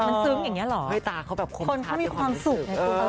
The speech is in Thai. มันซึ้งอย่างนี้เหรอคนเขามีความสุขไงคุณ